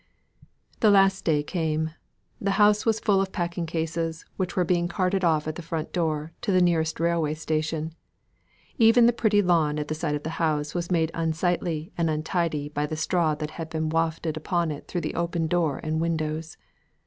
The last day came; the house was full of packing cases, which were being carted off at the front door, to the nearest railway station. Even the pretty lawn at the side of the house, was made unsightly and untidy by the straw that had been wafted upon it through the open door and windows.